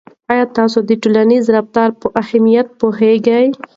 آیا تاسو د ټولنیز رفتار په اهمیت پوهیږئ.